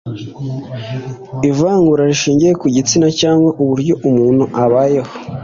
ivangura rishingiye ku gitsina cyangwa uburyo umuntu abayeho